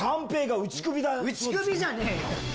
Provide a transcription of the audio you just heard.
打ち首じゃねえよ。